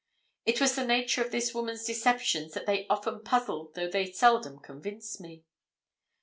It was the nature of this woman's deceptions that they often puzzled though they seldom convinced me.